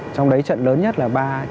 trong đấy trận lớn nhất là ba chín